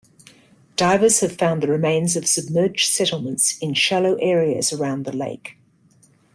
Divers have found the remains of submerged settlements in shallow areas around the lake.